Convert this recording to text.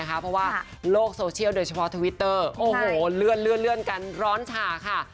เพราะว่าโลกโซเชียลโดยเฉพาะทวิตเตอร์โอ้โหเลื่อนกันร้อนฉ่าค่ะ